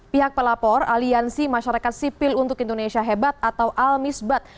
pihak pelapor aliansi masyarakat sipil untuk indonesia hebat atau almisbat